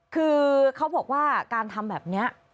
คือเขาบอกว่าการทำแบบนี้